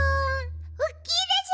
おっきいでしょ？